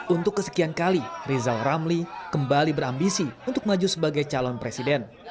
untuk kesekian kali rizal ramli kembali berambisi untuk maju sebagai calon presiden